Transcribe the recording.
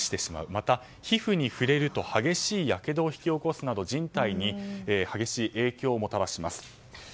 また、皮膚に触れると激しいやけどを引き起こすなど人体に激しい影響をもたらします。